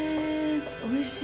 おいしい。